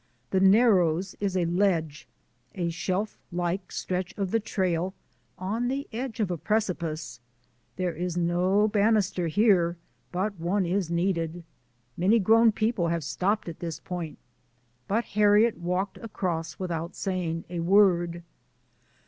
The Nar rows is a ledge, a shelf like stretch of the trail, on the edge of a precipice. There is no banister here, but one is needed. Many grown people have stopped at this point, but Harriet walked across without saying a word.